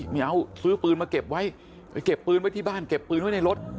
ไม่เอาซื้อปืนมาเก็บไว้ไปเก็บปืนไว้ที่บ้านเก็บปืนไว้ในรถ